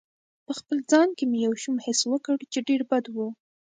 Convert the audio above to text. په خپل ځان کې مې یو شوم حس وکړ چې ډېر بد و.